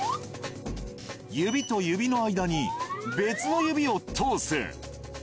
指と指の間に、別の指を通す。